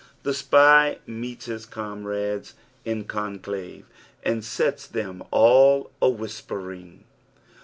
The spjmeeta liis comrades in conclave and sets them all a nhispcring.